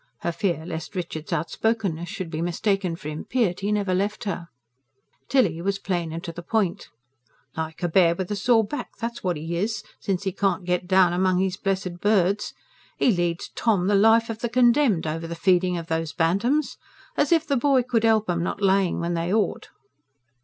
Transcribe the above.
Her fear lest Richard's outspokenness should be mistaken for impiety never left her. Tilly was plain and to the point. "Like a bear with a sore back that's what 'e is, since 'e can't get down among his blessed birds. He leads Tom the life of the condemned, over the feeding of those bantams. As if the boy could help 'em not laying when they ought!"